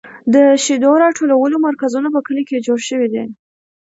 د شیدو راټولولو مرکزونه په کلیو کې جوړ شوي دي.